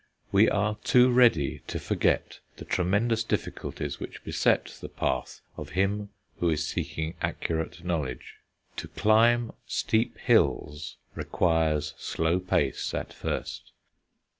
We are too ready to forget the tremendous difficulties which beset the path of him who is seeking accurate knowledge. "To climb steep hills requires slow pace at first."